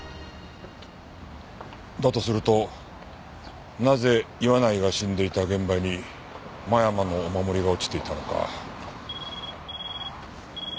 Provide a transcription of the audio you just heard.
だとするとなぜ岩内が死んでいた現場に間山のお守りが落ちていたのか。